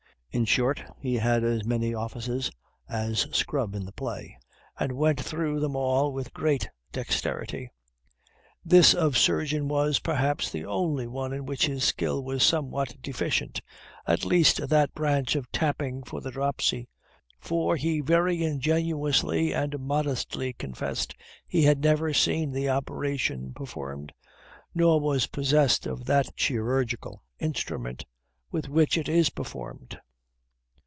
In short, he had as many offices as Scrub in the play, and went through them all with great dexterity; this of surgeon was, perhaps, the only one in which his skill was somewhat deficient, at least that branch of tapping for the dropsy; for he very ingenuously and modestly confessed he had never seen the operation performed, nor was possessed of that chirurgical instrument with which it is performed.